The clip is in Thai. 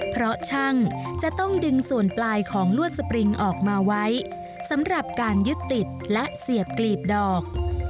เพราะช่างจะต้องดึงส่วนปลายของลวดสปริงออกมาไว้สำหรับการยึดติดและเสียบกลีบดอก